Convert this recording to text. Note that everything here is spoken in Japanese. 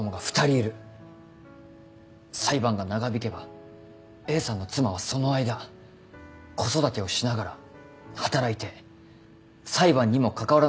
裁判が長引けばＡさんの妻はその間子育てをしながら働いて裁判にも関わらなければならない。